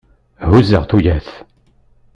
Huzzeɣ tuyat.